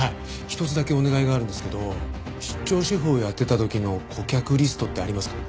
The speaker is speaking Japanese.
一つだけお願いがあるんですけど出張シェフをやってた時の顧客リストってありますか？